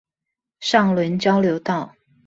上崙交流道